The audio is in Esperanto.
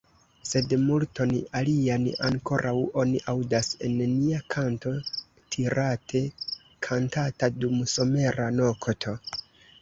Sed multon alian ankoraŭ oni aŭdas en nia kanto, tirate kantata dum somera nokto!